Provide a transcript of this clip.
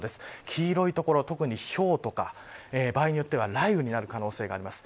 黄色い所、特にひょうとか場合によっては雷雨になる可能性があります。